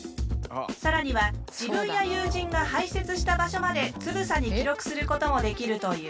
更には自分や友人が排泄した場所までつぶさに記録することもできるという。